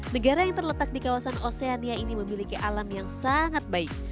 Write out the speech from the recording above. negara yang terletak di kawasan oceania ini memiliki alam yang sangat baik